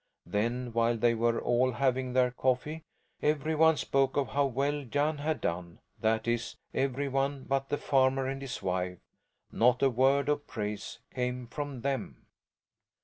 Then, while they were all having their coffee, every one spoke of how well Jan had done, that is, every one but the farmer and his wife; not a word of praise came from them.